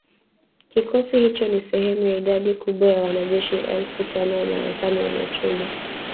Kikosi hicho ni sehemu ya idadi kubwa ya wanajeshi elfu tano wa Marekani waliotumwa